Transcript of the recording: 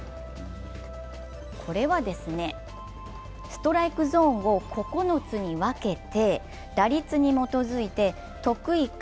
これはストライクゾーンを９つに分けて打率に基づいて得意か